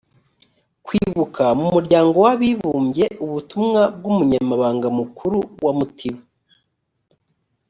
kwibuka mu muryango w abibumbye ubutumwa bw umunyamabanga mukuru wa mutiba